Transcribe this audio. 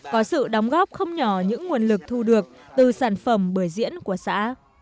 có sự đóng góp không nhỏ những nguồn lực thu được từ sản phẩm bưởi diễn của xã